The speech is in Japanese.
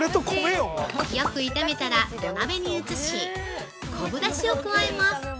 よく炒めたら土鍋に移し昆布だしを加えます。